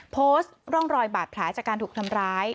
โพสต์ร่องรอยบาดแผลจากการถูกทำร้าย